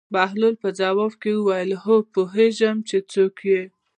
بهلول په ځواب کې وویل: هو پوهېږم چې څوک یې.